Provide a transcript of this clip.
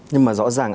nhưng mà rõ ràng